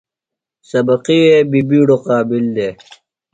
سبقی وے بیۡ بِیڈوۡ قابل دےۡ۔